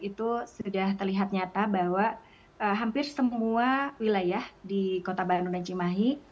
itu sudah terlihat nyata bahwa hampir semua wilayah di kota bandung dan cimahi